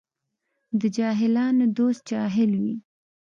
د جاهلانو دوست جاهل وي.